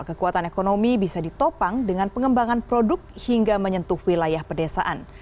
kekuatan ekonomi bisa ditopang dengan pengembangan produk hingga menyentuh wilayah pedesaan